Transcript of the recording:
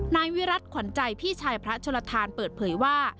นายวิรัติขวัญใจพี่ชายพระชลทานเปิดเผยว่า